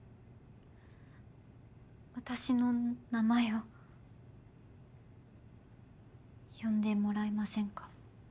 私の名前を呼んでもらえませんか？